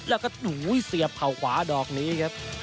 แล้วก็เสียบเข่าขวาดอกนี้ครับ